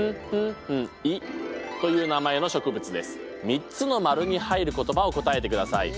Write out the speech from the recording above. ３つの丸に入る言葉を答えてください。